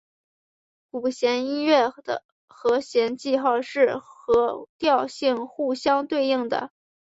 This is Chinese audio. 古典音乐的和弦记号是和调性互相对应的。